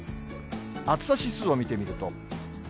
暑さ指数を見てみると。